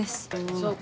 そうか。